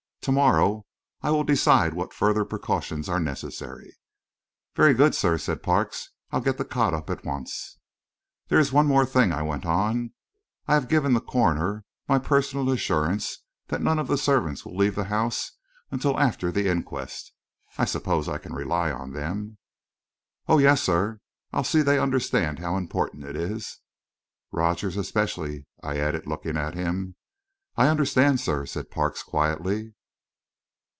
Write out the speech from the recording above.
To morrow I will decide what further precautions are necessary." "Very good, sir," said Parks. "I'll get the cot up at once." "There is one thing more," I went on. "I have given the coroner my personal assurance that none of the servants will leave the house until after the inquest. I suppose I can rely on them?" "Oh, yes, sir. I'll see they understand how important it is." "Rogers, especially," I added, looking at him. "I understand, sir," said Parks, quietly.